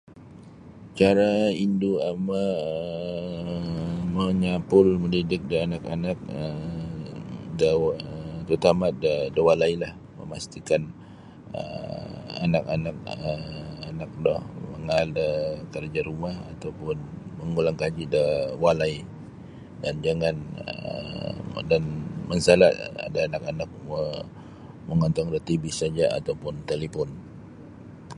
Cara indu' ama' um monyapul mandidik da anak-anak um da wa tarutama' da da walailah mamastikan um anak-anak um anak do mangaal da kerja rumah atau pun mangulang kaji da walai dan jangan um dan mansala' da anak-anak mo mongontong da tv saja' atau pun talipon.